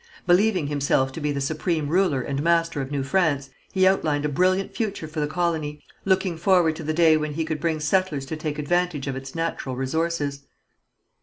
Believing himself to be the supreme ruler and master of New France, he outlined a brilliant future for the colony, looking forward to the day when he could bring settlers to take advantage of its natural resources.